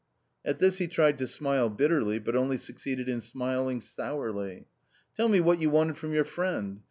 1 ' At this he tried to smile bitterly, but only succeeded in smiling sourly. " Tell me what you wanted from your friend